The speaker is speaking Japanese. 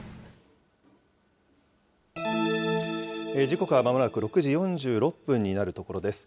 時刻はまもなく６時４６分になるところです。